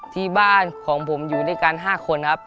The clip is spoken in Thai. ที่บ้านของผมอยู่ด้วยกัน๕คนครับ